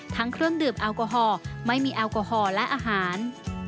เครื่องดื่มแอลกอฮอล์ไม่มีแอลกอฮอล์และอาหาร